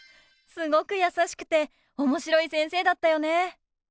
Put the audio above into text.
すごく優しくておもしろい先生だったよね。